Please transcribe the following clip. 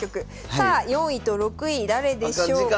さあ４位と６位誰でしょうか？